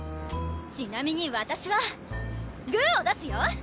ちなみにわたしはグーを出すよ！